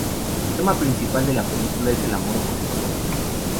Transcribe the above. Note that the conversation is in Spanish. El tema principal de la película es el amor homosexual.